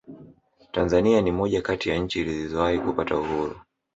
tanzania ni moja kati ya nchi zilizowahi kupata uhuru